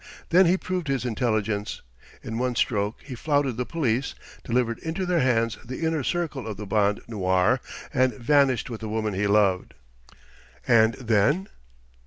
Then he proved his intelligence: in one stroke he flouted the police, delivered into their hands the inner circle of the Bande Noire, and vanished with the woman he loved." "And then